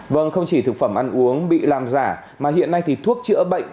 vâng không chỉ thực phẩm ăn uống bị làm giả mà hiện nay thì thuốc chữa bệnh